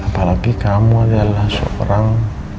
apalagi kamu adalah seorang